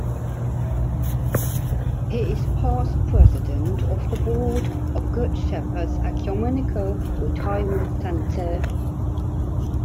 He is past president of the board of Good Shepherd Ecumenical Retirement Center.